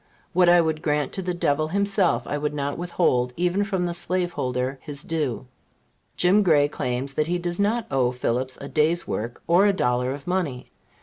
What I would grant to the devil himself, I would not withhold even from the slaveholder his due. Jim Gray claims that he does not owe Phillips a day's work or a dollar of money.